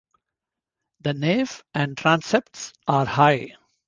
The nave and transepts are high.